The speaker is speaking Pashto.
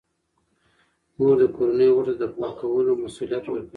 مور د کورنۍ غړو ته د پاکولو مسوولیت ورکوي.